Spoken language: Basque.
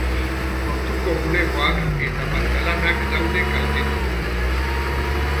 Portuko bulegoak eta pantalanak daude kaltetuta.